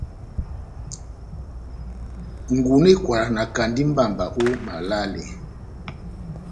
Ngunu ekwanakandi mbamba ό malale.